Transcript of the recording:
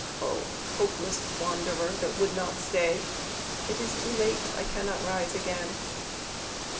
O hopeless wanderer that would not stay, ("It is too late, I cannot rise again!")